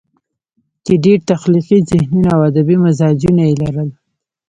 چې ډېر تخليقي ذهنونه او ادبي مزاجونه ئې لرل